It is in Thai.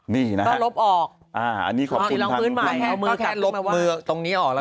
นี่นะฮะฮะอันนี้ขอบคุณทางคุณให้มือกลับขึ้นมาว่า